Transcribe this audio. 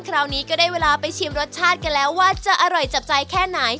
คราวนี้ก็ได้เวลาไปชิมรสชาติกันแล้วว่าจะอร่อยจับใจแค่ไหน